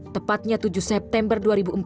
sempatnya tujuh september dua ribu empat